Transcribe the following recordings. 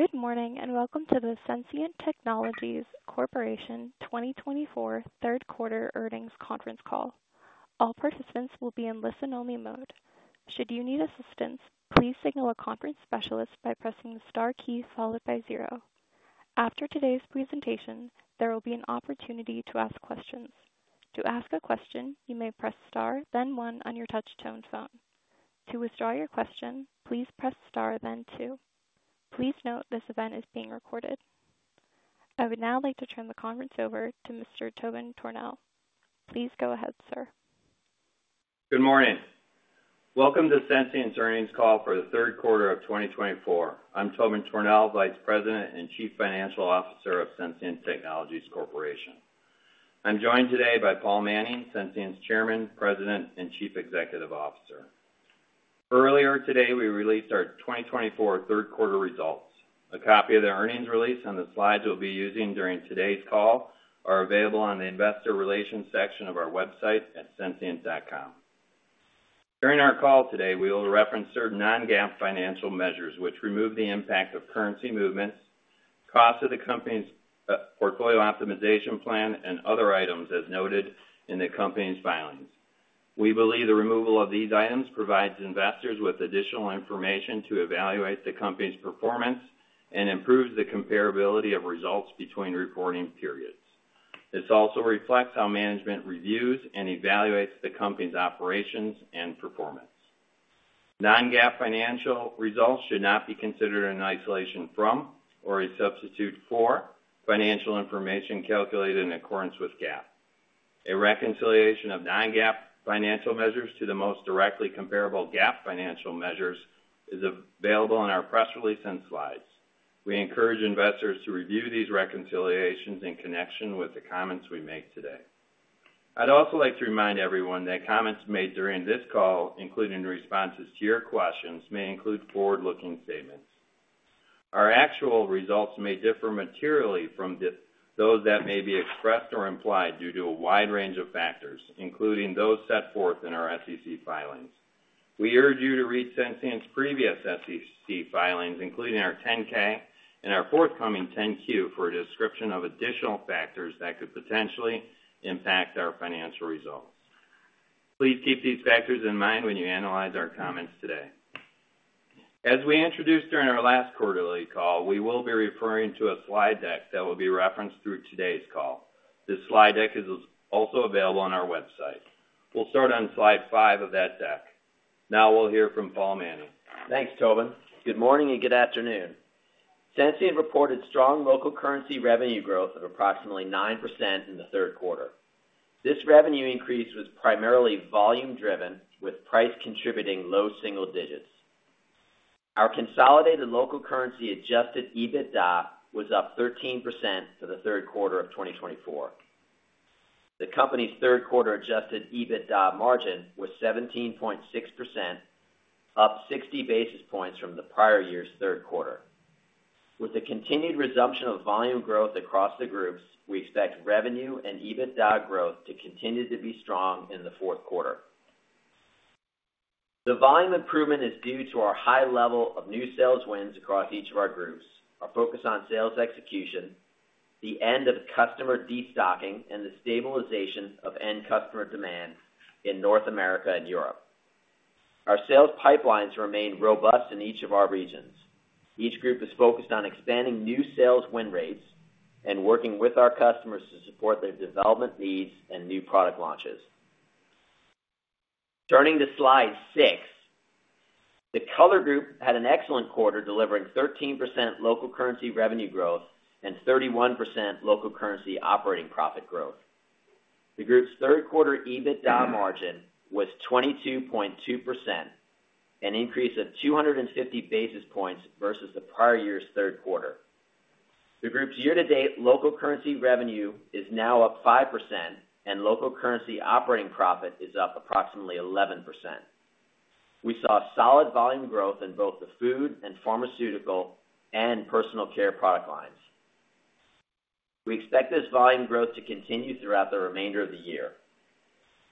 Good morning, and welcome to the Sensient Technologies Corporation 2024 Third Quarter Earnings Conference Call. All participants will be in listen-only mode. Should you need assistance, please signal a conference specialist by pressing the star key followed by zero. After today's presentation, there will be an opportunity to ask questions. To ask a question, you may press star then one on your touchtone phone. To withdraw your question, please press star then two. Please note this event is being recorded. I would now like to turn the conference over to Mr. Tobin Tornow. Please go ahead, sir. Good morning. Welcome to Sensient's earnings call for the third quarter of 2024. I'm Tobin Tornow, Vice President and Chief Financial Officer of Sensient Technologies Corporation. I'm joined today by Paul Manning, Sensient's Chairman, President, and Chief Executive Officer. Earlier today, we released our 2024 third quarter results. A copy of the earnings release and the slides we'll be using during today's call are available on the investor relations section of our website at sensient.com. During our call today, we will reference certain non-GAAP financial measures, which remove the impact of currency movements, cost of the company's portfolio optimization plan, and other items as noted in the company's filings. We believe the removal of these items provides investors with additional information to evaluate the company's performance and improves the comparability of results between reporting periods. This also reflects how management reviews and evaluates the company's operations and performance. Non-GAAP financial results should not be considered in isolation from or a substitute for financial information calculated in accordance with GAAP. A reconciliation of non-GAAP financial measures to the most directly comparable GAAP financial measures is available on our press release and slides. We encourage investors to review these reconciliations in connection with the comments we make today. I'd also like to remind everyone that comments made during this call, including responses to your questions, may include forward-looking statements. Our actual results may differ materially from those that may be expressed or implied due to a wide range of factors, including those set forth in our SEC filings. We urge you to read Sensient's previous SEC filings, including our 10-K and our forthcoming 10-Q, for a description of additional factors that could potentially impact our financial results. Please keep these factors in mind when you analyze our comments today. As we introduced during our last quarterly call, we will be referring to a slide deck that will be referenced through today's call. This slide deck is also available on our website. We'll start on slide five of that deck. Now we'll hear from Paul Manning. Thanks, Tobin. Good morning, and good afternoon. Sensient reported strong local currency revenue growth of approximately 9% in the third quarter. This revenue increase was primarily volume driven, with price contributing low single digits. Our consolidated local currency adjusted EBITDA was up 13% for the third quarter of 2024. The company's third quarter adjusted EBITDA margin was 17.6%, up 60 basis points from the prior year's third quarter. With the continued resumption of volume growth across the groups, we expect revenue and EBITDA growth to continue to be strong in the fourth quarter. The volume improvement is due to our high level of new sales wins across each of our groups, our focus on sales execution, the end of customer destocking, and the stabilization of end customer demand in North America and Europe. Our sales pipelines remain robust in each of our regions. Each group is focused on expanding new sales win rates and working with our customers to support their development needs and new product launches. Turning to slide 6, the Color Group had an excellent quarter, delivering 13% local currency revenue growth and 31% local currency operating profit growth. The group's third quarter EBITDA margin was 22.2%, an increase of 250 basis points versus the prior year's third quarter. The group's year-to-date local currency revenue is now up 5%, and local currency operating profit is up approximately 11%. We saw solid volume growth in both the food and pharmaceutical and personal care product lines. We expect this volume growth to continue throughout the remainder of the year.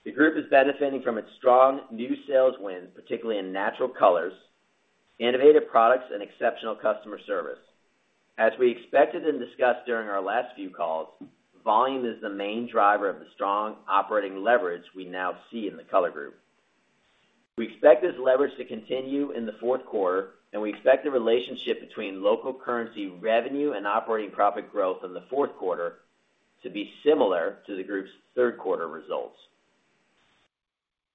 The group is benefiting from its strong new sales wins, particularly in natural colors, innovative products, and exceptional customer service. As we expected and discussed during our last few calls, volume is the main driver of the strong operating leverage we now see in the Color Group. We expect this leverage to continue in the fourth quarter, and we expect the relationship between local currency, revenue, and operating profit growth in the fourth quarter to be similar to the group's third quarter results.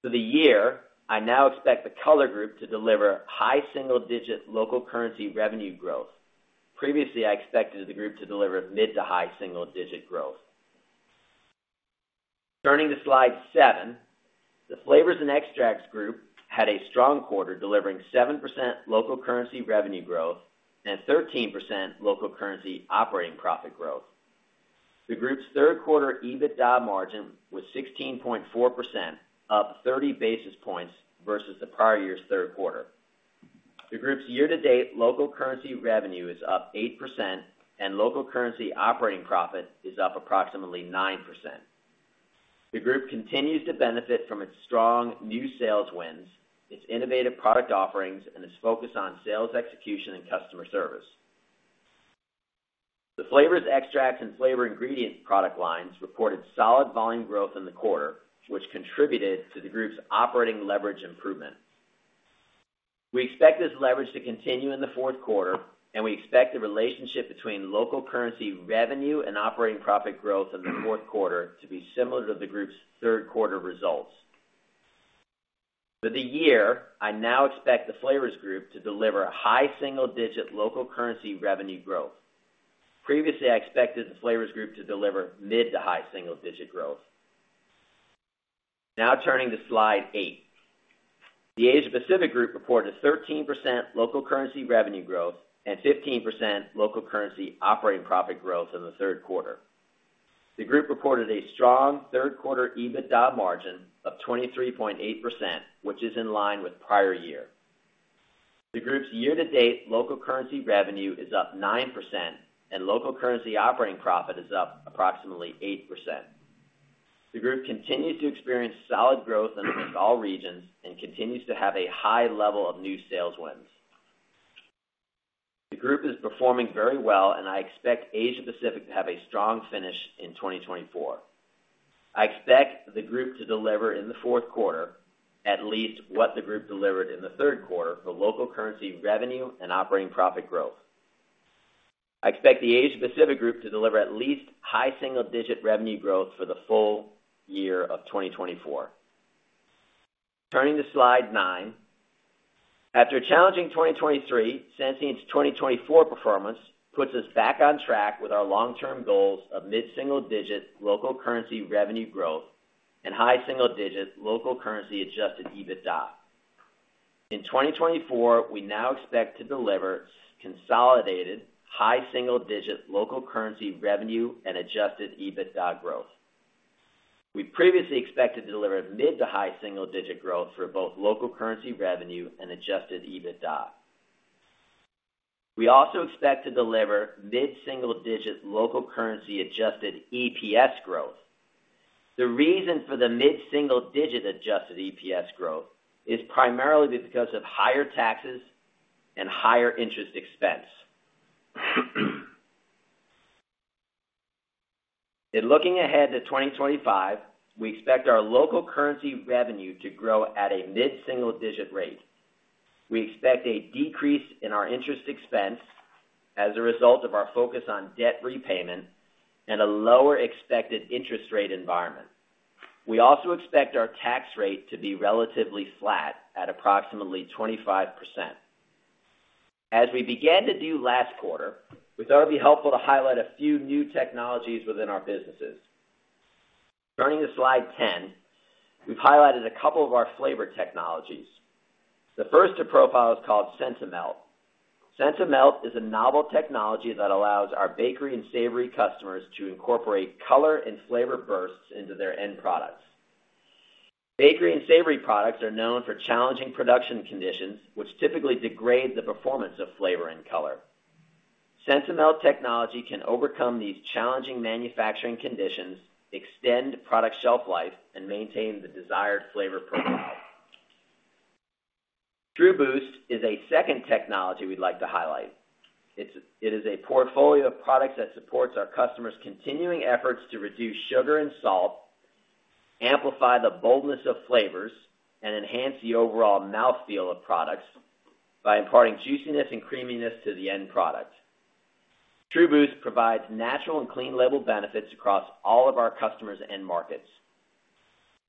For the year, I now expect the Color Group to deliver high single-digit local currency revenue growth. Previously, I expected the group to deliver mid to high single-digit growth. Turning to Slide 7, the Flavors and Extracts Group had a strong quarter, delivering 7% local currency revenue growth and 13% local currency operating profit growth. The group's third quarter EBITDA margin was 16.4%, up thirty basis points versus the prior year's third quarter. The group's year-to-date local currency revenue is up 8%, and local currency operating profit is up approximately 9%. The group continues to benefit from its strong new sales wins, its innovative product offerings, and its focus on sales execution and customer service. The flavors, extracts, and flavor ingredient product lines reported solid volume growth in the quarter, which contributed to the group's operating leverage improvement. We expect this leverage to continue in the fourth quarter, and we expect the relationship between local currency revenue and operating profit growth in the fourth quarter to be similar to the group's third quarter results. For the year, I now expect the flavors group to deliver a high single-digit local currency revenue growth. Previously, I expected the flavors group to deliver mid to high single digit growth. Now turning to Slide eight. The Asia Pacific Group reported 13% local currency revenue growth and 15% local currency operating profit growth in the third quarter. The group reported a strong third quarter EBITDA margin of 23.8%, which is in line with prior year. The group's year-to-date local currency revenue is up 9%, and local currency operating profit is up approximately 8%. The group continues to experience solid growth across all regions and continues to have a high level of new sales wins. The group is performing very well, and I expect Asia Pacific to have a strong finish in 2024. I expect the group to deliver in the fourth quarter, at least what the group delivered in the third quarter for local currency, revenue, and operating profit growth. I expect the Asia Pacific Group to deliver at least high-single-digit revenue growth for the full year of 2024. Turning to slide nine. After a challenging 2023, Sensient's 2024 performance puts us back on track with our long-term goals of mid-single-digit local currency revenue growth and high-single-digit local currency adjusted EBITDA. In 2024, we now expect to deliver consolidated high-single-digit local currency revenue and adjusted EBITDA growth. We previously expected to deliver mid- to high-single-digit growth for both local currency revenue and adjusted EBITDA. We also expect to deliver mid-single-digit local currency adjusted EPS growth. The reason for the mid-single-digit adjusted EPS growth is primarily because of higher taxes and higher interest expense. In looking ahead to 2025, we expect our local currency revenue to grow at a mid-single-digit rate. We expect a decrease in our interest expense as a result of our focus on debt repayment and a lower expected interest rate environment. We also expect our tax rate to be relatively flat at approximately 25%. As we began to do last quarter, we thought it'd be helpful to highlight a few new technologies within our businesses. Turning to Slide 10, we've highlighted a couple of our flavor technologies. The first to profile is called SensaMelt. SensaMelt is a novel technology that allows our bakery and savory customers to incorporate color and flavor bursts into their end products. Bakery and savory products are known for challenging production conditions, which typically degrade the performance of flavor and color. SensaMelt technology can overcome these challenging manufacturing conditions, extend product shelf life, and maintain the desired flavor profile. TrueBoost is a second technology we'd like to highlight. It is a portfolio of products that supports our customers' continuing efforts to reduce sugar and salt, amplify the boldness of flavors, and enhance the overall mouthfeel of products by imparting juiciness and creaminess to the end product. TrueBoost provides natural and clean label benefits across all of our customers and markets.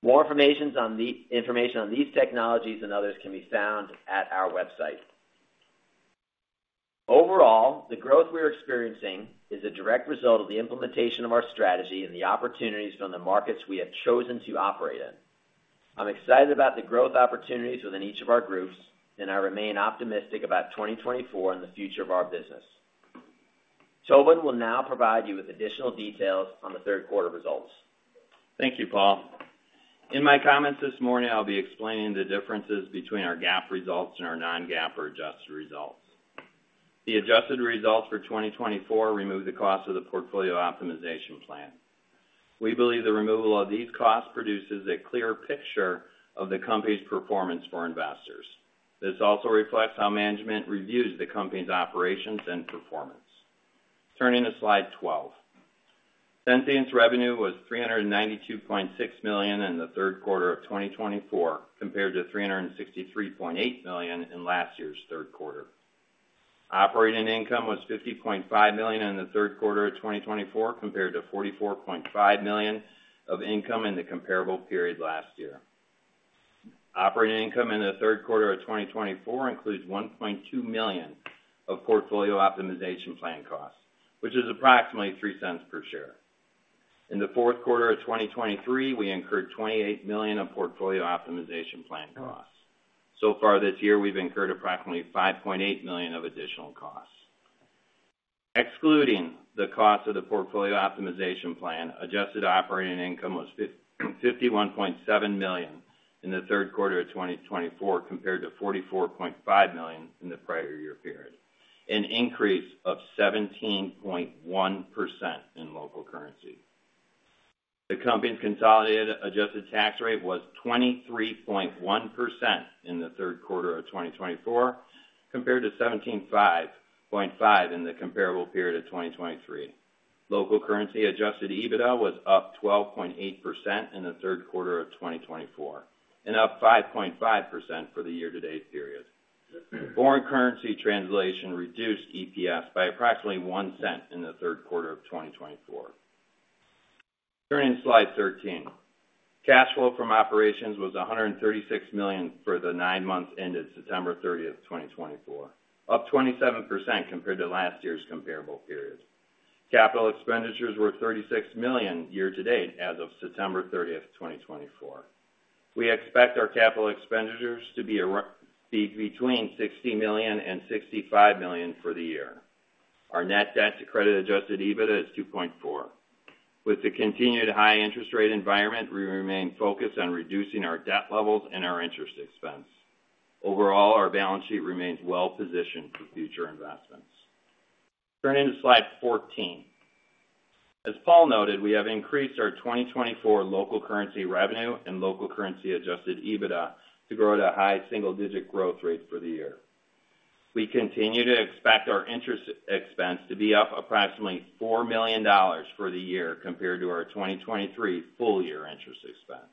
More information on these technologies and others can be found at our website. Overall, the growth we are experiencing is a direct result of the implementation of our strategy and the opportunities from the markets we have chosen to operate in. I'm excited about the growth opportunities within each of our groups, and I remain optimistic about 2024 and the future of our business. Tobin will now provide you with additional details on the third quarter results. Thank you, Paul. In my comments this morning, I'll be explaining the differences between our GAAP results and our non-GAAP or adjusted results. The adjusted results for 2024 remove the cost of the portfolio optimization plan. We believe the removal of these costs produces a clear picture of the company's performance for investors. This also reflects how management reviews the company's operations and performance. Turning to Slide 12. Sensient's revenue was $392.6 million in the third quarter of 2024, compared to $363.8 million in last year's third quarter. Operating income was $50.5 million in the third quarter of 2024, compared to $44.5 million of income in the comparable period last year. Operating income in the third quarter of 2024 includes $1.2 million of portfolio optimization plan costs, which is approximately $0.03 per share. In the fourth quarter of 2023, we incurred $28 million of portfolio optimization plan costs. So far this year, we've incurred approximately $5.8 million of additional costs. Excluding the cost of the portfolio optimization plan, adjusted operating income was fifty-one point seven million in the third quarter of 2024, compared to forty-four point five million in the prior year period, an increase of 17.1% in local currency. The company's consolidated adjusted tax rate was 23.1% in the third quarter of 2024, compared to 17.5% in the comparable period of 2023. Local currency adjusted EBITDA was up 12.8% in the third quarter of 2024, and up 5.5% for the year-to-date period. Foreign currency translation reduced EPS by approximately $0.01 in the third quarter of 2024. Turning to Slide 13. Cash flow from operations was $136 million for the nine months ended September 30, 2024, up 27% compared to last year's comparable period. Capital expenditures were $36 million year to date as of September 30, 2024. We expect our capital expenditures to be between $60 million and $65 million for the year. Our net debt to credit adjusted EBITDA is 2.4. With the continued high interest rate environment, we remain focused on reducing our debt levels and our interest expense. Overall, our balance sheet remains well positioned for future investments. Turning to Slide 14. As Paul noted, we have increased our 2024 local currency revenue and local currency adjusted EBITDA to grow at a high single-digit growth rate for the year. We continue to expect our interest expense to be up approximately $4 million for the year, compared to our 2023 full year interest expense.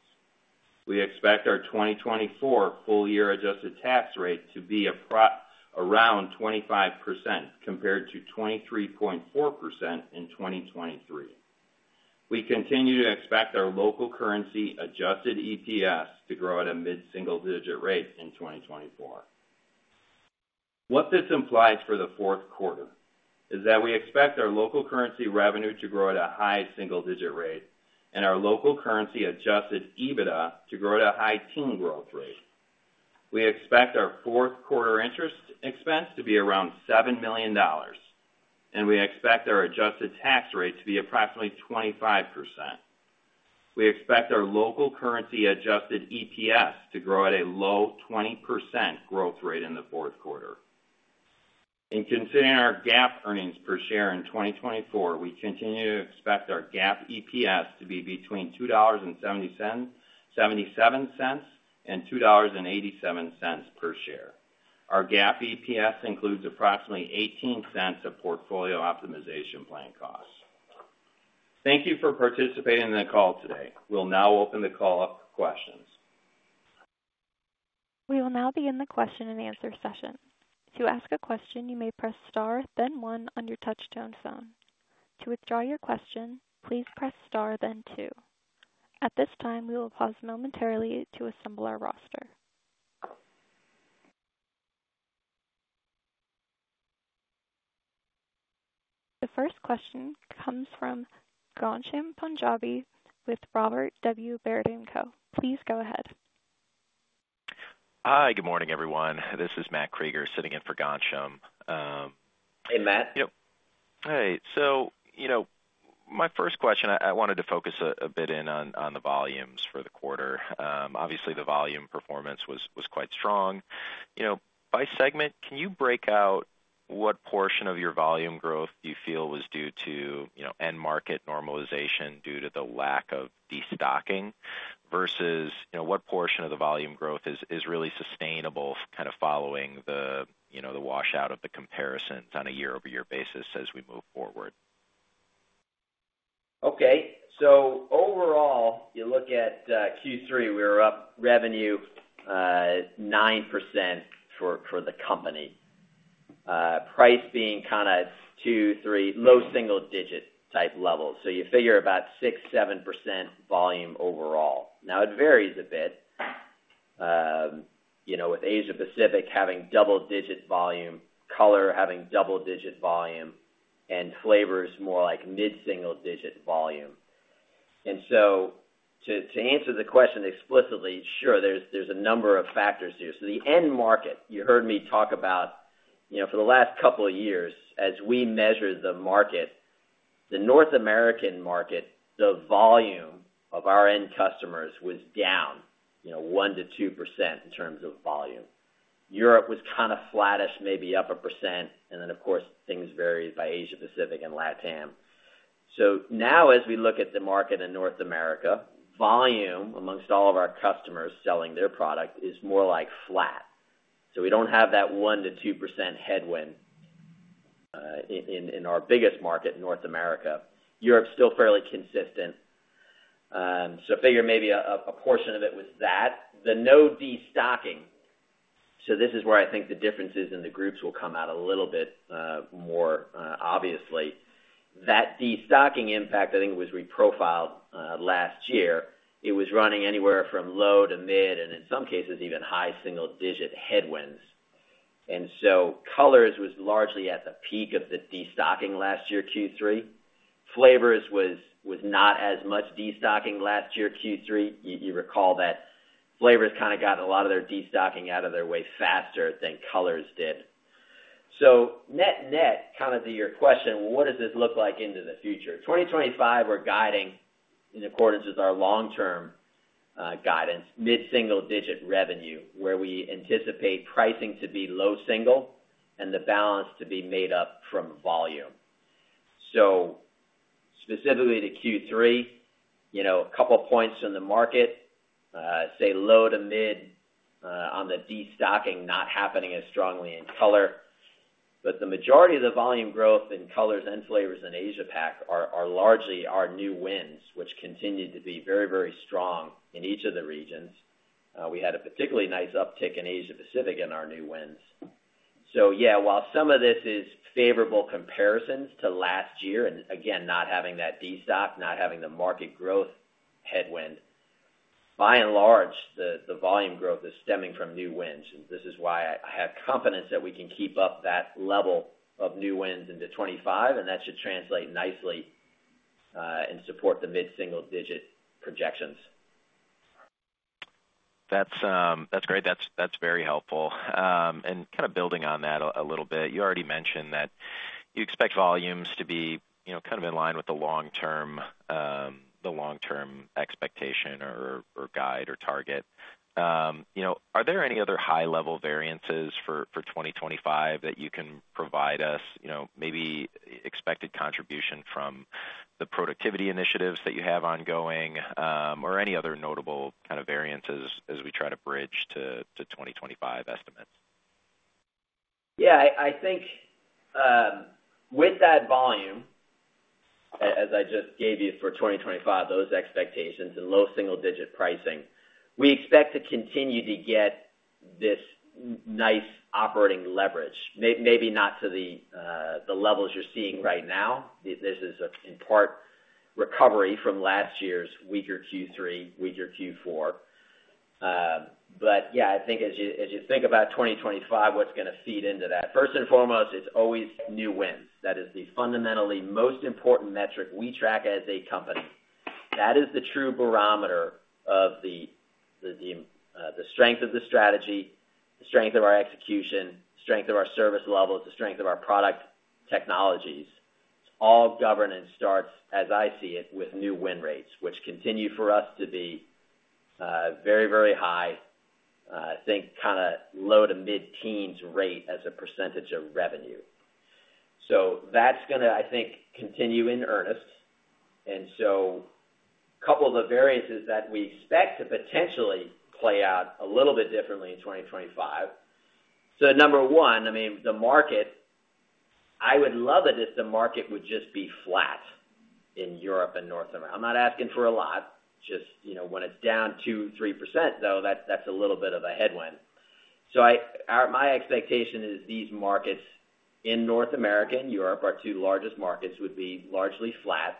We expect our 2024 full year adjusted tax rate to be around 25%, compared to 23.4% in 2023. We continue to expect our local currency adjusted EPS to grow at a mid-single-digit rate in 2024. What this implies for the fourth quarter is that we expect our local currency revenue to grow at a high single-digit rate and our local currency adjusted EBITDA to grow at a high-teens growth rate. We expect our fourth quarter interest expense to be around $7 million, and we expect our adjusted tax rate to be approximately 25%. We expect our local currency adjusted EPS to grow at a low 20% growth rate in the fourth quarter. In considering our GAAP earnings per share in 2024, we continue to expect our GAAP EPS to be between $2.77 and $2.87 per share. Our GAAP EPS includes approximately $0.18 of portfolio optimization plan costs. Thank you for participating in the call today. We'll now open the call up for questions. We will now begin the question and answer session. To ask a question, you may press Star, then one on your touchtone phone. To withdraw your question, please press Star, then two. At this time, we will pause momentarily to assemble our roster. The first question comes from Ghansham Panjabi with Robert W. Baird & Co. Please go ahead. Hi, good morning, everyone. This is Matt Krueger, sitting in for Ghansham. Hey, Matt. Yep. Hey, so, you know, my first question, I wanted to focus a bit in on the volumes for the quarter. Obviously, the volume performance was quite strong. You know, by segment, can you break out what portion of your volume growth do you feel was due to, you know, end market normalization due to the lack of destocking, versus, you know, what portion of the volume growth is really sustainable, kind of following the, you know, the washout of the comparisons on a year-over-year basis as we move forward? Okay. So overall, you look at Q3, we were up revenue 9% for the company. Price being kind of 2-3 low single-digit type levels. So you figure about 6-7% volume overall. Now, it varies a bit, you know, with Asia Pacific having double-digit volume, color having double-digit volume, and flavors more like mid-single-digit volume. And so to answer the question explicitly, sure, there's a number of factors here. So the end market, you heard me talk about, you know, for the last couple of years, as we measure the market, the North American market, the volume of our end customers was down, you know, 1-2% in terms of volume. Europe was kind of flattish, maybe up 1%, and then, of course, things varied by Asia Pacific and LATAM. So now as we look at the market in North America, volume amongst all of our customers selling their product is more like flat. So we don't have that 1-2% headwind in our biggest market, North America. Europe is still fairly consistent. So figure maybe a portion of it was that. The no destocking, so this is where I think the differences in the groups will come out a little bit more obviously. That destocking impact, I think, was reprofiled last year. It was running anywhere from low to mid, and in some cases, even high single digit headwinds. And so colors was largely at the peak of the destocking last year, Q3. Flavors was not as much destocking last year, Q3. You recall that flavors kind of got a lot of their destocking out of their way faster than colors did.... So net-net, kind of to your question, what does this look like into the future? 2025, we're guiding in accordance with our long-term guidance, mid-single digit revenue, where we anticipate pricing to be low single and the balance to be made up from volume. So specifically to Q3, you know, a couple points in the market, say, low to mid on the destocking, not happening as strongly in color. But the majority of the volume growth in colors and flavors in Asia Pac are largely our new wins, which continue to be very, very strong in each of the regions. We had a particularly nice uptick in Asia Pacific in our new wins. Yeah, while some of this is favorable comparisons to last year, and again, not having that destocking, not having the market growth headwind, by and large, the volume growth is stemming from new wins. This is why I have confidence that we can keep up that level of new wins into 2025, and that should translate nicely and support the mid-single digit projections. That's great. That's very helpful. And kind of building on that a little bit. You already mentioned that you expect volumes to be, you know, kind of in line with the long term, the long-term expectation or guide or target. You know, are there any other high-level variances for 2025 that you can provide us? You know, maybe expected contribution from the productivity initiatives that you have ongoing, or any other notable kind of variances as we try to bridge to 2025 estimates? Yeah, I think, with that volume, as I just gave you for 2025, those expectations and low single-digit pricing, we expect to continue to get this nice operating leverage. Maybe not to the levels you're seeing right now. This is, in part, recovery from last year's weaker Q3, weaker Q4. But yeah, I think as you think about 2025, what's gonna feed into that? First and foremost, it's always new wins. That is the fundamentally most important metric we track as a company. That is the true barometer of the strength of the strategy, the strength of our execution, the strength of our service levels, the strength of our product technologies. All governance starts, as I see it, with new win rates, which continue for us to be very, very high. I think kind of low- to mid-teens % rate as a percentage of revenue. So that's gonna, I think, continue in earnest. And so a couple of the variances that we expect to potentially play out a little bit differently in 2025. So number one, I mean, the market. I would love it if the market would just be flat in Europe and North America. I'm not asking for a lot, just, you know, when it's down 2-3%, though, that's a little bit of a headwind. So my expectation is these markets in North America and Europe, our two largest markets, would be largely flat.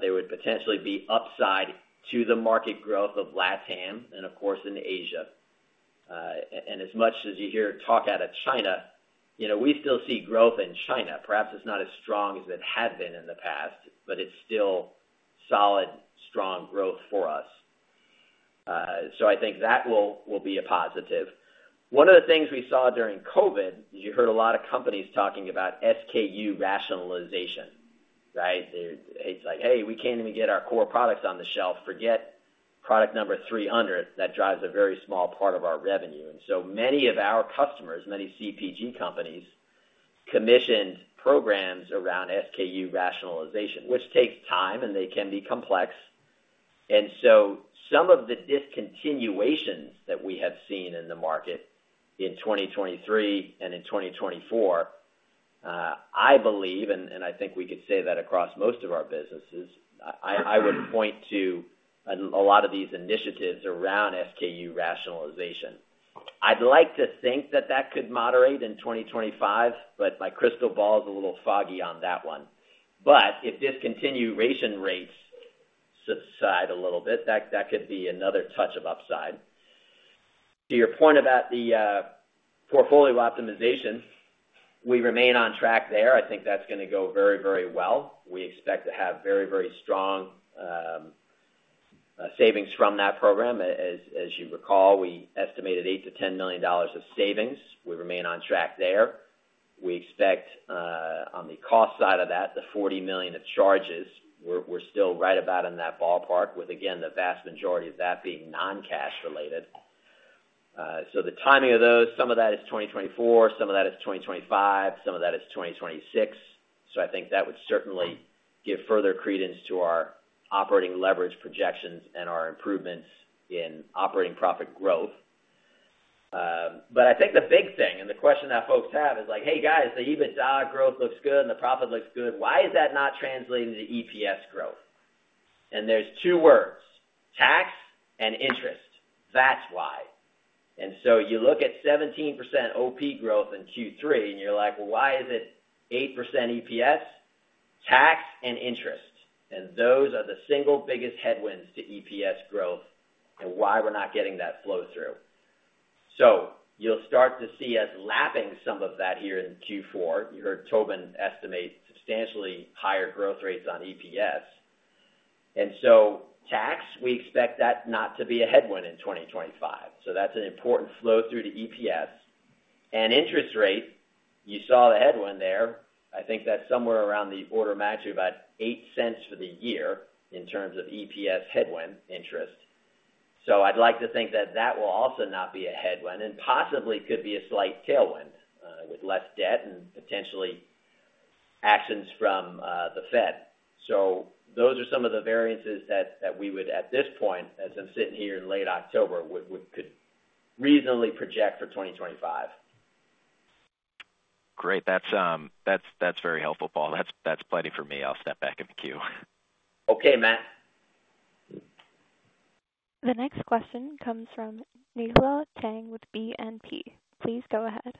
They would potentially be upside to the market growth of LatAm and, of course, in Asia. And as much as you hear talk out of China, you know, we still see growth in China. Perhaps it's not as strong as it had been in the past, but it's still solid, strong growth for us. So I think that will be a positive. One of the things we saw during COVID is you heard a lot of companies talking about SKU rationalization, right? It's like, "Hey, we can't even get our core products on the shelf. Forget product number three hundred. That drives a very small part of our revenue." And so many of our customers, many CPG companies, commissioned programs around SKU rationalization, which takes time, and they can be complex. And so some of the discontinuations that we have seen in the market in 2023 and in 2024, I believe, and I think we could say that across most of our businesses, I would point to a lot of these initiatives around SKU rationalization. I'd like to think that could moderate in 2025, but my crystal ball is a little foggy on that one. But if discontinuation rates subside a little bit, that could be another touch of upside. To your point about the portfolio optimization, we remain on track there. I think that's gonna go very, very well. We expect to have very, very strong savings from that program. As you recall, we estimated $8 million-$10 million of savings. We remain on track there. We expect on the cost side of that, the $40 million of charges, we're still right about in that ballpark, with, again, the vast majority of that being non-cash related. So the timing of those, some of that is 2024, some of that is 2025, some of that is 2026. So I think that would certainly give further credence to our operating leverage projections and our improvements in operating profit growth. But I think the big thing and the question that folks have is like, "Hey, guys, the EBITDA growth looks good and the profit looks good. Why is that not translating to EPS growth?" And there's two words: tax and interest. That's why. So you look at 17% OP growth in Q3, and you're like, "Well, why is it 8% EPS?" Tax and interest, and those are the single biggest headwinds to EPS growth and why we're not getting that flow-through. So you'll start to see us lapping some of that here in Q4. You heard Tobin estimate substantially higher growth rates on EPS. And so tax, we expect that not to be a headwind in 2025. So that's an important flow through to EPS. And interest rate, you saw the headwind there. I think that's somewhere around the order of magnitude, about $0.08 for the year in terms of EPS headwind interest. So I'd like to think that that will also not be a headwind and possibly could be a slight tailwind with less debt and potentially actions from the Fed. So those are some of the variances that we would, at this point, as I'm sitting here in late October, could reasonably project for 2025. Great. That's very helpful, Paul. That's plenty for me. I'll step back in the queue. Okay, Matt. The next question comes from Nicola Tang with BNP. Please go ahead.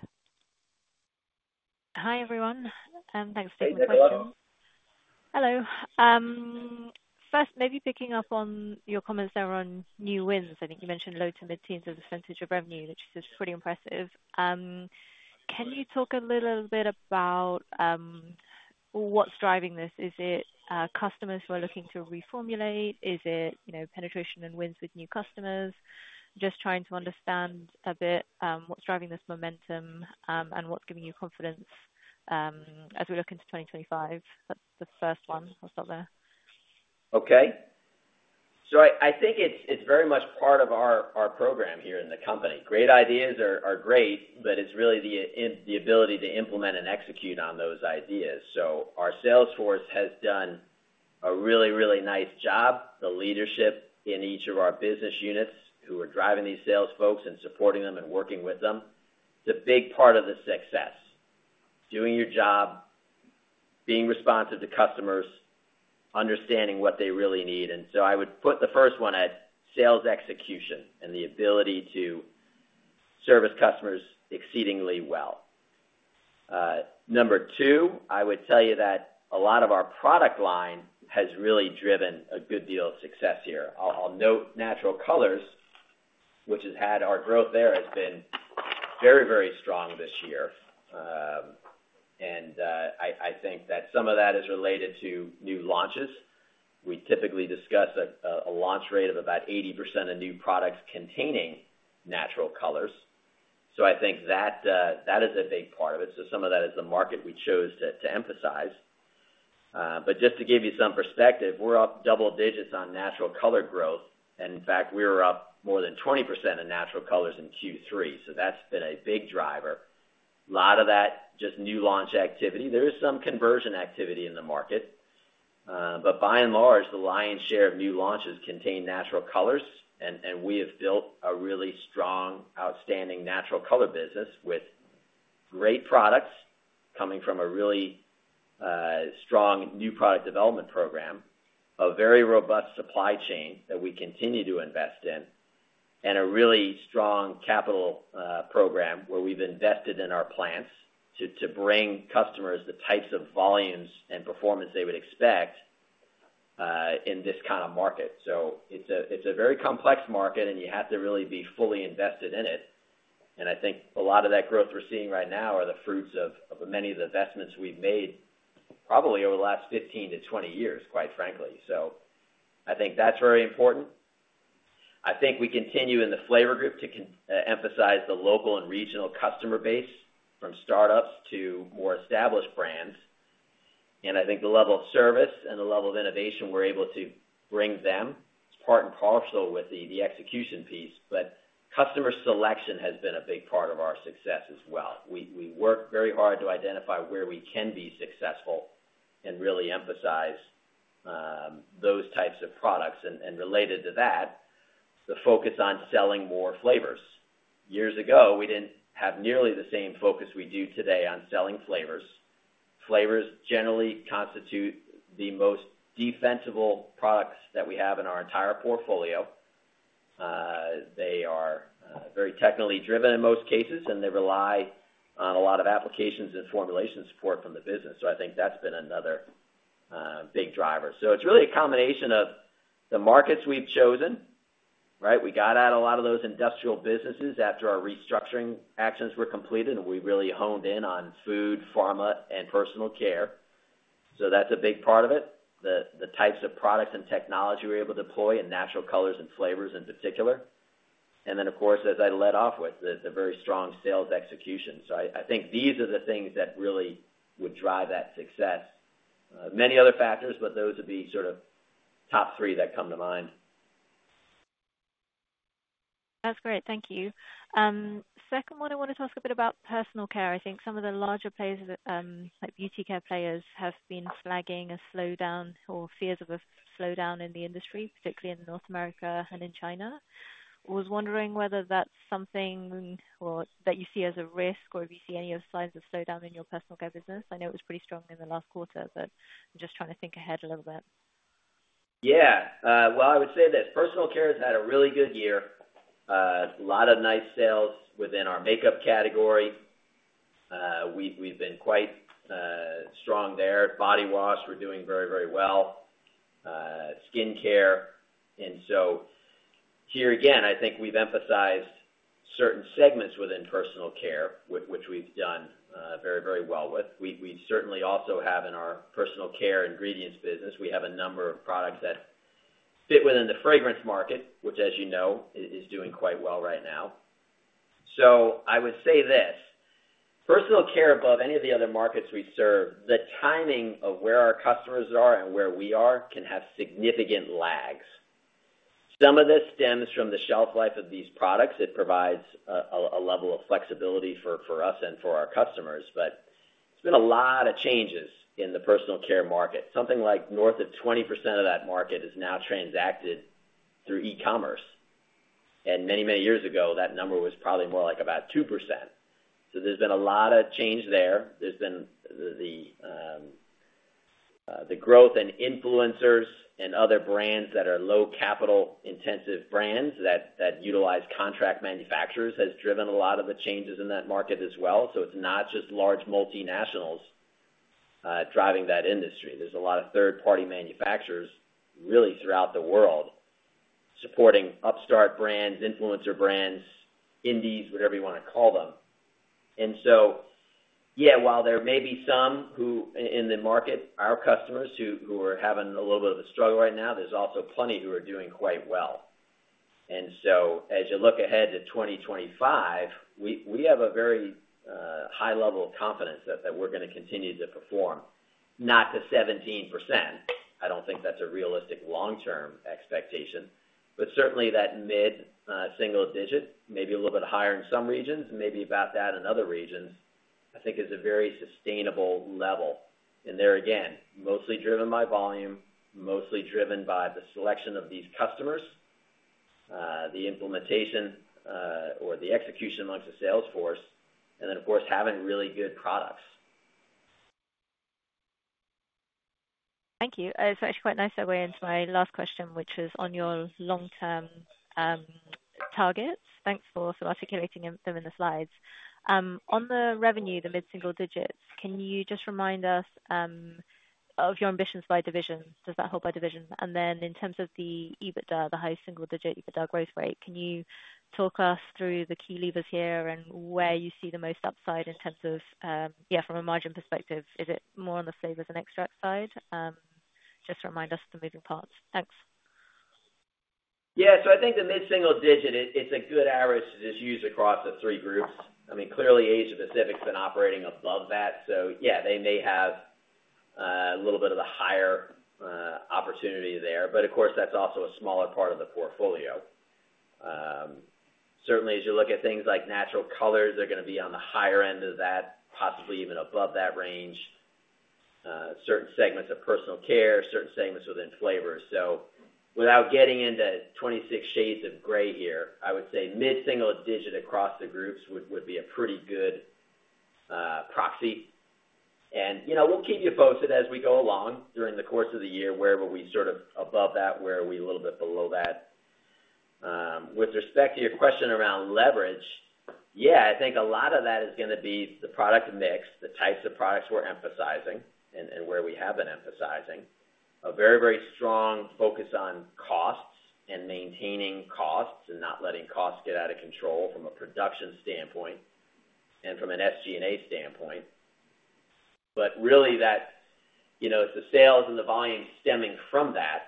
Hi, everyone, thanks for the question. Hey, Nicola. Hello. First, maybe picking up on your comments there on new wins. I think you mentioned low to mid-teens as a percentage of revenue, which is pretty impressive. Can you talk a little bit about what's driving this? Is it customers who are looking to reformulate? Is it, you know, penetration and wins with new customers? Just trying to understand a bit what's driving this momentum and what's giving you confidence as we look into 2025. That's the first one. I'll stop there. Okay. So I think it's very much part of our program here in the company. Great ideas are great, but it's really the ability to implement and execute on those ideas. So our sales force has done a really nice job. The leadership in each of our business units, who are driving these sales folks and supporting them and working with them, it's a big part of the success. Doing your job, being responsive to customers, understanding what they really need. And so I would put the first one at sales execution and the ability to service customers exceedingly well. Number two, I would tell you that a lot of our product line has really driven a good deal of success here. I'll note natural colors, which has had our growth there, has been very strong this year. I think that some of that is related to new launches. We typically discuss a launch rate of about 80% of new products containing natural colors. So I think that that is a big part of it. So some of that is the market we chose to emphasize. But just to give you some perspective, we're up double digits on natural color growth. And in fact, we were up more than 20% in natural colors in Q3, so that's been a big driver. A lot of that, just new launch activity. There is some conversion activity in the market. But by and large, the lion's share of new launches contain natural colors, and we have built a really strong, outstanding natural color business with great products coming from a really strong new product development program, a very robust supply chain that we continue to invest in, and a really strong capital program, where we've invested in our plants to bring customers the types of volumes and performance they would expect in this kind of market. So it's a very complex market, and you have to really be fully invested in it, and I think a lot of that growth we're seeing right now are the fruits of many of the investments we've made, probably over the last fifteen to twenty years, quite frankly. So I think that's very important. I think we continue in the flavor group to emphasize the local and regional customer base, from startups to more established brands, and I think the level of service and the level of innovation we're able to bring them, it's part and parcel with the execution piece, but customer selection has been a big part of our success as well. We work very hard to identify where we can be successful and really emphasize those types of products, and related to that, the focus on selling more flavors. Years ago, we didn't have nearly the same focus we do today on selling flavors. Flavors generally constitute the most defensible products that we have in our entire portfolio. They are very technically driven in most cases, and they rely on a lot of applications and formulation support from the business. So I think that's been another big driver, so it's really a combination of the markets we've chosen, right? We got out a lot of those industrial businesses after our restructuring actions were completed, and we really honed in on food, pharma, and personal care, so that's a big part of it. The types of products and technology we're able to deploy in natural colors and flavors in particular, and then, of course, as I led off with, the very strong sales execution, so I think these are the things that really would drive that success. Many other factors, but those are the sort of top three that come to mind. That's great. Thank you. Second one, I wanted to ask a bit about personal care. I think some of the larger players, like beauty care players, have been flagging a slowdown or fears of a slowdown in the industry, particularly in North America and in China. I was wondering whether that's something or that you see as a risk, or if you see any signs of slowdown in your personal care business. I know it was pretty strong in the last quarter, but I'm just trying to think ahead a little bit. Yeah. Well, I would say that personal care has had a really good year. A lot of nice sales within our makeup category. We've been quite strong there. Body wash, we're doing very, very well, skincare. Here again, I think we've emphasized certain segments within personal care, with which we've done very, very well with. We certainly also have in our personal care ingredients business, we have a number of products that fit within the fragrance market, which, as you know, is doing quite well right now. So I would say this: personal care, above any of the other markets we serve, the timing of where our customers are and where we are, can have significant lags. Some of this stems from the shelf life of these products. It provides a level of flexibility for us and for our customers. But there's been a lot of changes in the personal care market. Something like north of 20% of that market is now transacted through e-commerce, and many, many years ago, that number was probably more like about 2%. So there's been a lot of change there. There's been the growth in influencers and other brands that are low capital intensive brands, that utilize contract manufacturers, has driven a lot of the changes in that market as well. So it's not just large multinationals driving that industry. There's a lot of third-party manufacturers, really, throughout the world, supporting upstart brands, influencer brands, indies, whatever you wanna call them. Yeah, while there may be some who in the market, our customers who are having a little bit of a struggle right now, there's also plenty who are doing quite well. As you look ahead to 2025, we have a very high level of confidence that we're gonna continue to perform. Not to 17%, I don't think that's a realistic long-term expectation, but certainly that mid single digit, maybe a little bit higher in some regions, maybe about that in other regions, I think is a very sustainable level. And there again, mostly driven by volume, mostly driven by the selection of these customers, the implementation or the execution amongst the sales force, and then, of course, having really good products. Thank you. It's actually quite a nice segue into my last question, which is on your long-term targets. Thanks for sort of articulating them in the slides. On the revenue, the mid single digits, can you just remind us of your ambitions by division? Does that hold by division? And then in terms of the EBITDA, the high single digit EBITDA growth rate, can you talk us through the key levers here and where you see the most upside in terms of... Yeah, from a margin perspective, is it more on the flavors and extract side? Just remind us the moving parts. Thanks. Yeah. So I think the mid single digit, it's a good average to just use across the three groups. I mean, clearly, Asia Pacific's been operating above that, so yeah, they may have a little bit of a higher opportunity there, but of course, that's also a smaller part of the portfolio. Certainly, as you look at things like natural colors, they're gonna be on the higher end of that, possibly even above that range. Certain segments of personal care, certain segments within flavors. So without getting into twenty-six shades of gray here, I would say mid single digit across the groups would be a pretty good proxy. And, you know, we'll keep you posted as we go along during the course of the year, where were we sort of above that, where are we a little bit below that. With respect to your question around leverage, yeah, I think a lot of that is gonna be the product mix, the types of products we're emphasizing and where we have been emphasizing. A very, very strong focus on costs and maintaining costs, and not letting costs get out of control from a production standpoint and from an SG&A standpoint. But really, that's, you know, it's the sales and the volume stemming from that.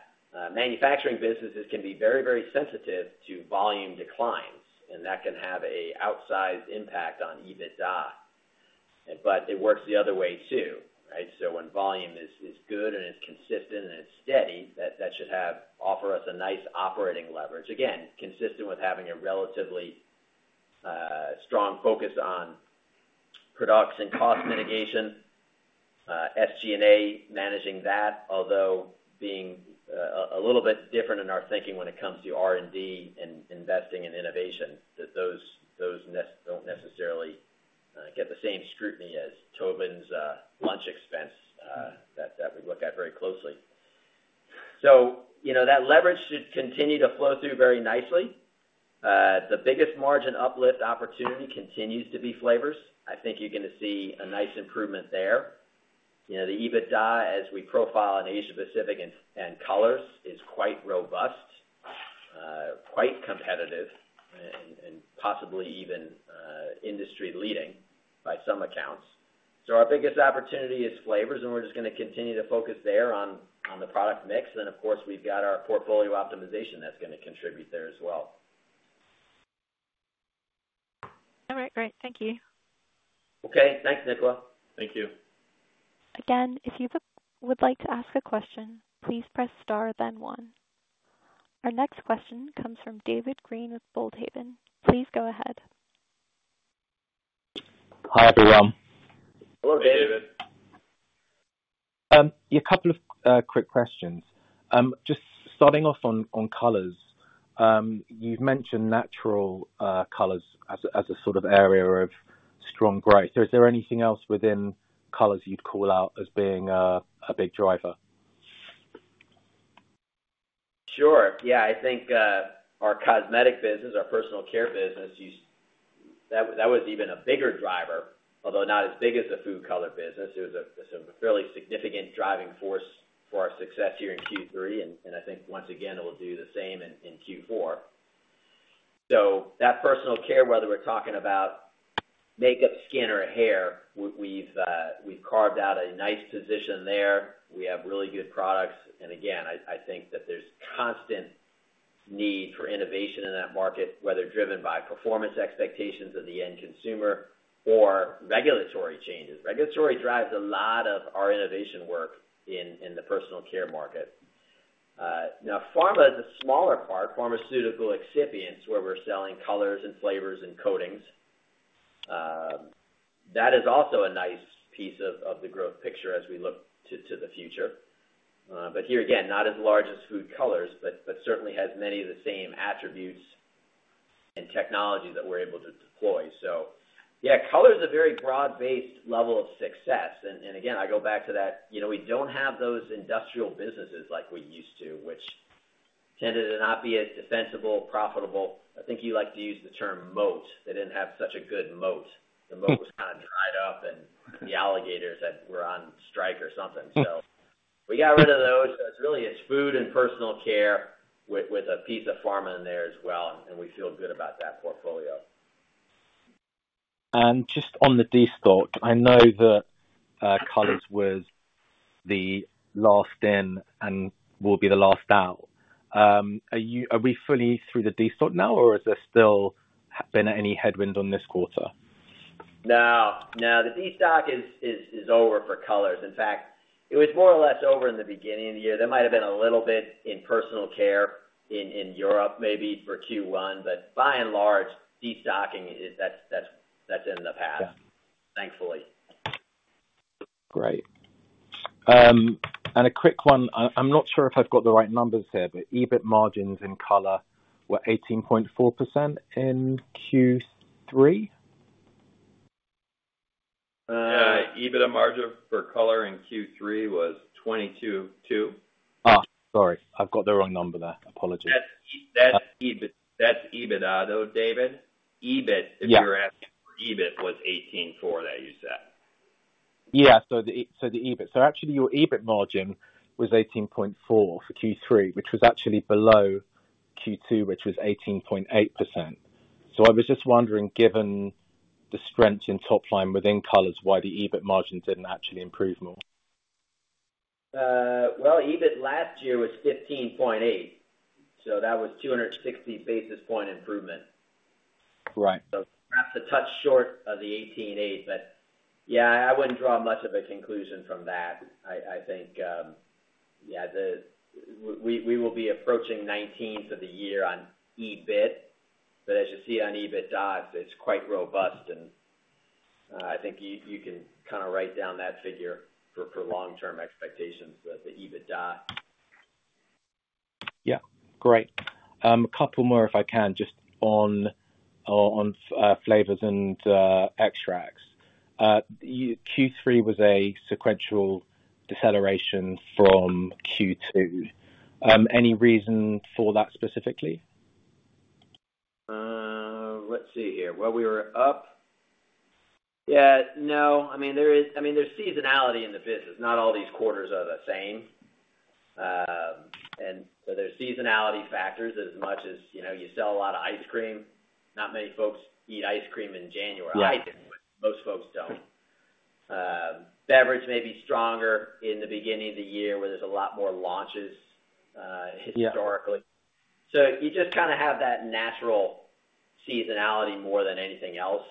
Manufacturing businesses can be very, very sensitive to volume declines, and that can have an outsized impact on EBITDA. But it works the other way, too, right? So when volume is good and it's consistent and it's steady, that should have... offer us a nice operating leverage. Again, consistent with having a relatively strong focus on production cost mitigation, SG&A, managing that. Although being a little bit different in our thinking when it comes to R&D and investing in innovation, that those expenses don't necessarily get the same scrutiny as Tobin's lunch expense that we look at very closely. So, you know, that leverage should continue to flow through very nicely. The biggest margin uplift opportunity continues to be flavors. I think you're gonna see a nice improvement there. You know, the EBITDA, as we profile in Asia Pacific and Colors, is quite robust, quite competitive, and possibly even industry leading by some accounts. So our biggest opportunity is flavors, and we're just gonna continue to focus there on the product mix. Then, of course, we've got our portfolio optimization that's gonna contribute there as well. All right, great. Thank you. Okay. Thanks, Nicola. Thank you. Again, if you would like to ask a question, please press star then one. Our next question comes from David Green with Boldhaven. Please go ahead. Hi, everyone. Hello, David. Hello, David. A couple of quick questions. Just starting off on colors. You've mentioned natural colors as a sort of area of strong growth. So is there anything else within colors you'd call out as being a big driver? Sure. Yeah, I think our cosmetic business, our personal care business. That was even a bigger driver, although not as big as the food color business. It was a fairly significant driving force for our success here in Q3, and I think once again, it will do the same in Q4. So that personal care, whether we're talking about makeup, skin, or hair, we've carved out a nice position there. We have really good products, and again, I think that there's constant need for innovation in that market, whether driven by performance expectations of the end consumer or regulatory changes. Regulatory drives a lot of our innovation work in the personal care market. Now, pharma is a smaller part. Pharmaceutical excipients, where we're selling colors and flavors and coatings. That is also a nice piece of the growth picture as we look to the future. But here, again, not as large as food colors, but certainly has many of the same attributes and technologies that we're able to deploy. So yeah, color is a very broad-based level of success. And again, I go back to that, you know, we don't have those industrial businesses like we used to, which tended to not be as defensible, profitable. I think you like to use the term moat. They didn't have such a good moat. The moat was kind of dried up, and the alligators were on strike or something. So we got rid of those. So it's really food and personal care with a piece of pharma in there as well, and we feel good about that portfolio. Just on the destocking, I know that colors was the last in and will be the last out. Are we fully through the destocking now, or is there still been any headwinds on this quarter? No, the destocking is over for colors. In fact, it was more or less over in the beginning of the year. There might have been a little bit in personal care in Europe, maybe for Q1, but by and large, destocking is in the past. Yeah. - thankfully. Great. And a quick one. I'm not sure if I've got the right numbers here, but EBIT margins in color were 18.4% in Q3? EBITDA margin for color in Q3 was 22.2%. Ah, sorry, I've got the wrong number there. Apologies. That's E- Uh- That's EBIT, that's EBITDA, though, David. EBIT- Yeah. If you were asking for EBIT, was $184, that you said. Yeah. So the EBIT. So actually, your EBIT margin was 18.4% for Q3, which was actually below Q2, which was 18.8%. So I was just wondering, given the strength in top line within colors, why the EBIT margin didn't actually improve more? EBIT last year was 15.8, so that was 260 basis point improvement. Right. So perhaps a touch short of the 18.8. But yeah, I wouldn't draw much of a conclusion from that. I think, yeah, we will be approaching 19 for the year on EBIT. But as you see on EBITDA, it's quite robust and, I think you can kind of write down that figure for long-term expectations with the EBITDA. Yeah, great. A couple more, if I can, just on flavors and extracts. Q3 was a sequential deceleration from Q2. Any reason for that specifically? Well, we were up. Yeah, no, I mean, there's seasonality in the business. Not all these quarters are the same, and so there's seasonality factors as much as, you know, you sell a lot of ice cream. Not many folks eat ice cream in January. Yeah. I do, but most folks don't. Beverage may be stronger in the beginning of the year, where there's a lot more launches, historically. Yeah. So you just kind of have that natural seasonality more than anything else.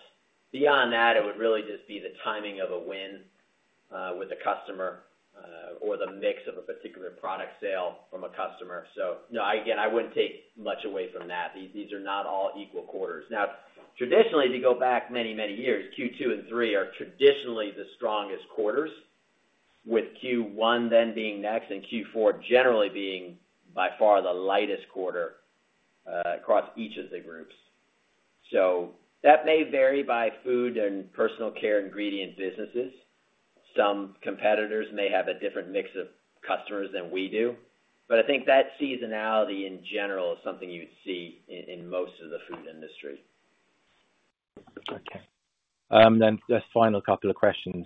Beyond that, it would really just be the timing of a win with the customer or the mix of a particular product sale from a customer. So no, again, I wouldn't take much away from that. These are not all equal quarters. Now, traditionally, if you go back many, many years, Q2 and Q3 are traditionally the strongest quarters, with Q1 then being next, and Q4 generally being by far the lightest quarter across each of the groups. So that may vary by food and personal care ingredients businesses. Some competitors may have a different mix of customers than we do, but I think that seasonality in general is something you'd see in most of the food industry. Okay. Then just final couple of questions.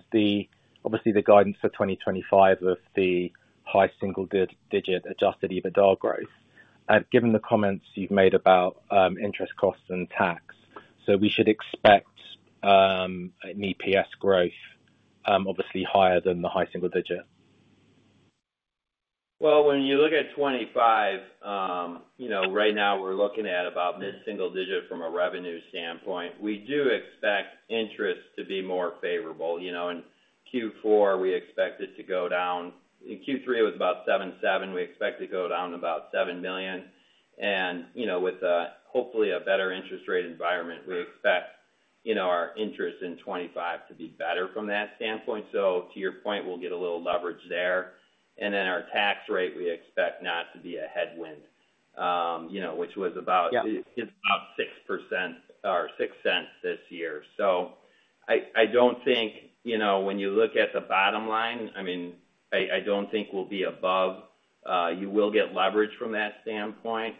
Obviously, the guidance for 2025 of the high single-digit adjusted EBITDA growth, given the comments you've made about interest costs and tax, so we should expect an EPS growth obviously higher than the high single-digit? When you look at 2025, you know, right now we're looking at about mid-single digit from a revenue standpoint. We do expect interest to be more favorable. You know, in Q4, we expect it to go down. In Q3, it was about 77. We expect it to go down about $7 million. And, you know, with hopefully a better interest rate environment, we expect, you know, our interest in 2025 to be better from that standpoint. So to your point, we'll get a little leverage there. And then our tax rate, we expect not to be a headwind, you know, which was about- Yeah. It's about 6% or $0.06 this year. So- I don't think, you know, when you look at the bottom line, I mean, I don't think we'll be above. You will get leverage from that standpoint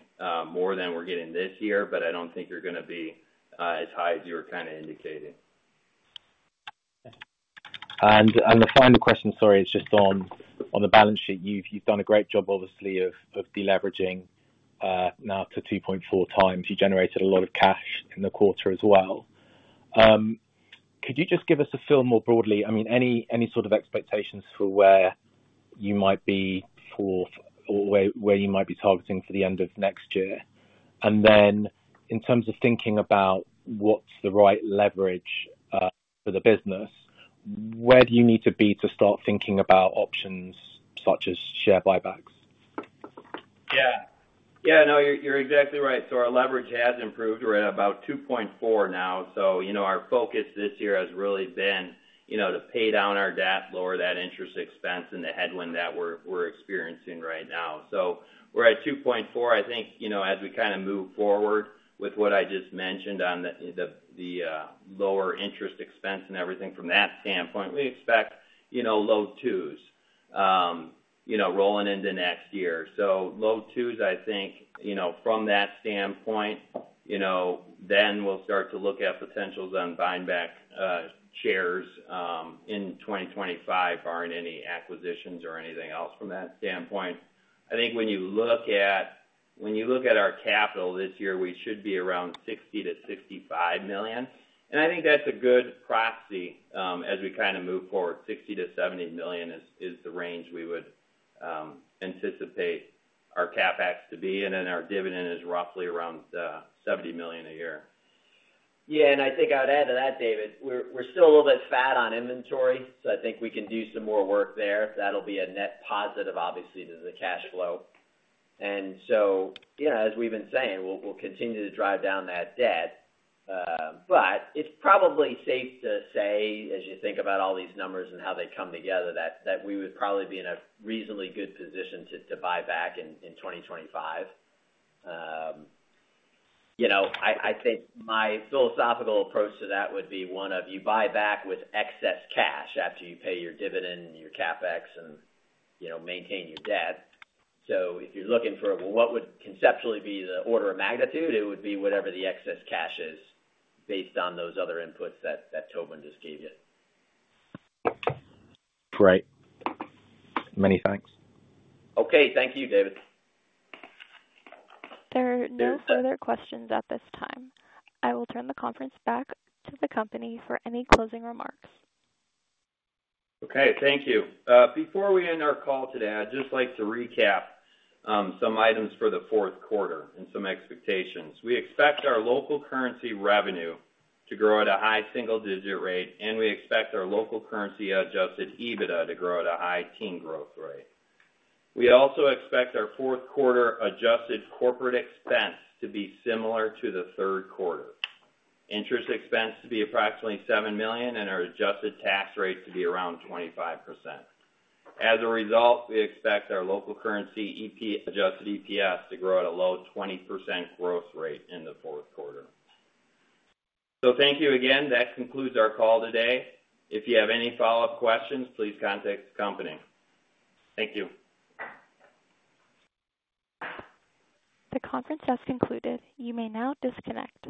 more than we're getting this year, but I don't think you're gonna be as high as you were kind of indicating. The final question, sorry, is just on the balance sheet. You've done a great job, obviously, of deleveraging now to 2.4 times. You generated a lot of cash in the quarter as well. Could you just give us a feel more broadly? I mean, any sort of expectations for where you might be or where you might be targeting for the end of next year? Then in terms of thinking about what's the right leverage for the business, where do you need to be to start thinking about options such as share buybacks? Yeah. Yeah, no, you're exactly right. So our leverage has improved. We're at about 2.4 now. So, you know, our focus this year has really been, you know, to pay down our debt, lower that interest expense and the headwind that we're experiencing right now. So we're at 2.4. I think, you know, as we kind of move forward with what I just mentioned on the lower interest expense and everything from that standpoint, we expect, you know, low 2s, you know, rolling into next year. So low 2s, I think, you know, from that standpoint, you know, then we'll start to look at potentials on buying back shares in 2025, barring any acquisitions or anything else from that standpoint. I think when you look at our capital this year, we should be around $60-65 million, and I think that's a good proxy as we kind of move forward. $60-70 million is the range we would anticipate our CapEx to be, and then our dividend is roughly around $70 million a year. Yeah, and I think I would add to that, David. We're still a little bit fat on inventory, so I think we can do some more work there. That'll be a net positive, obviously, to the cash flow. And so, you know, as we've been saying, we'll continue to drive down that debt. But it's probably safe to say, as you think about all these numbers and how they come together, that we would probably be in a reasonably good position to buy back in 2025. You know, I think my philosophical approach to that would be one of you buy back with excess cash after you pay your dividend, your CapEx, and, you know, maintain your debt. If you're looking for what would conceptually be the order of magnitude, it would be whatever the excess cash is based on those other inputs that Tobin just gave you. Great. Many thanks. Okay. Thank you, David. There are no further questions at this time. I will turn the conference back to the company for any closing remarks. Okay, thank you. Before we end our call today, I'd just like to recap some items for the fourth quarter and some expectations. We expect our local currency revenue to grow at a high single digit rate, and we expect our local currency adjusted EBITDA to grow at a high teen growth rate. We also expect our fourth quarter adjusted corporate expense to be similar to the third quarter, interest expense to be approximately $7 million, and our adjusted tax rate to be around 25%. As a result, we expect our local currency adjusted EPS to grow at a low 20% growth rate in the fourth quarter. So thank you again. That concludes our call today. If you have any follow-up questions, please contact the company. Thank you. The conference has concluded. You may now disconnect.